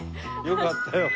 よかったよ